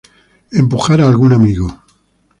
empujar a algún amigo